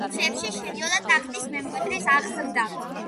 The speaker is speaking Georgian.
მის ფუნქციებში შედიოდა ტახტის მემკვიდრის აღზრდა.